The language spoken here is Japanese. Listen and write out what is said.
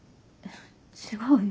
違うよ